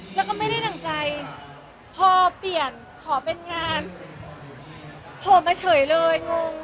แล้วก็ไม่ได้ดั่งใจพอเปลี่ยนขอเป็นงานโผล่มาเฉยเลยงง